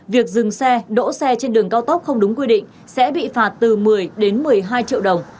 việc dừng xe đỗ xe trên đường cao tốc không đúng quy định sẽ bị phạt từ một mươi đến một mươi hai triệu đồng